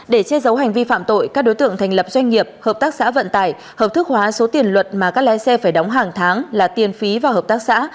để che giấu hành vi phạm tội các đối tượng thành lập doanh nghiệp hợp tác xã vận tải hợp thức hóa số tiền luật mà các lái xe phải đóng hàng tháng là tiền phí vào hợp tác xã